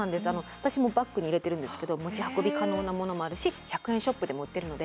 私もバッグに入れてるんですけど持ち運び可能なものもあるし１００円ショップでも売ってるので。